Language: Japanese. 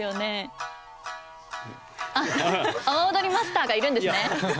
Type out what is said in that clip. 阿波踊りマスターがいるんですね。